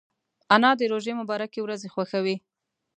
انا د روژې مبارکې ورځې خوښوي